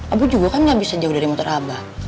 abah juga kan gak bisa jauh dari motor abah